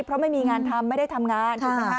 เพราะไม่มีงานทำไม่ได้ทำงาน